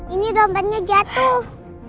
ini dompetnya jatuh